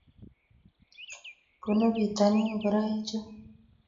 Bunu bitonin ngoroichu